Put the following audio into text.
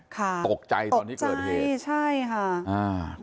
ตกใจตอนที่เกิดเหตุ